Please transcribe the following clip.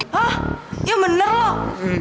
hah ya bener loh